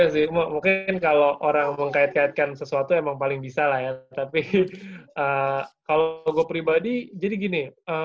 iya sih mungkin kalo orang mau ngakait kaitkan sesuatu emang paling bisa lah ya tapi kalo gue pribadi jadi gini